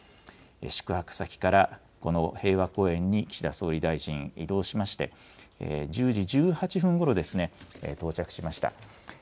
宿泊先からこの平和公園に岸田総理大臣移動しまして、１０時１８分ごろ到着しました。